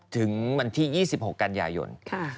ถึงวันที่๒๖กันยายน